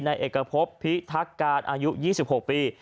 นายเอกภพพิธักริมอายุอายุ๒๖ปี